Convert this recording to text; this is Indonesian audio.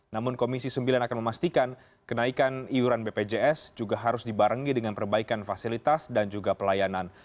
namun komisi sembilan akan memastikan kenaikan iuran bpjs juga harus dibarengi dengan perbaikan fasilitas dan juga pelayanan